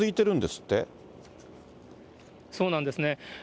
そうなんですね。